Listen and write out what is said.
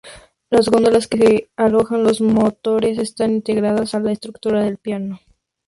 Las góndolas que alojan los motores están integradas a la estructura del plano.